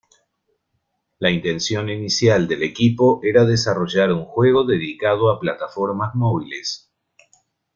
La intención inicial del equipo era desarrollar un juego dedicado a plataformas móviles.